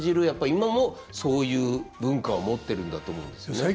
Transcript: やっぱり今もそういう文化を持ってるんだと思うんですよね。